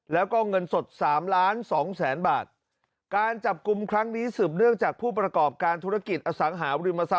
แล้วก็เงินสดสามล้านสองแสนบาทการจับกลุ่มครั้งนี้สืบเนื่องจากผู้ประกอบการธุรกิจอสังหาริมทรัพ